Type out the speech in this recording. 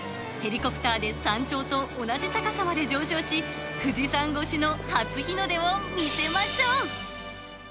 ヘリコプターで山頂と同じ高さまで上昇し、富士山越しの初日の出を見せましょう。